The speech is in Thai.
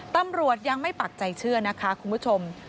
ตำรวจยังไม่ปักใจเชื่อนะคะคุณผู้ชม